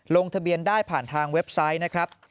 ลงทะเบียนได้ผ่านทางเว็บไซต์นะครับ